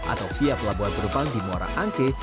atau tiap labuan berubang di muara anke